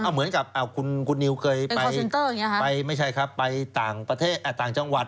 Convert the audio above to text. เหมือนกับคุณนิวเคยไปต่างจังหวัด